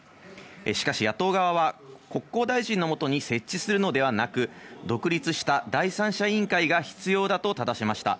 しかし、野党側は国交大臣のもとに設置するのではなく、独立した第三者委員会が必要だとただしました。